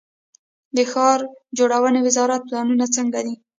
د ښار جوړونې وزارت پلانونه څنګه دي؟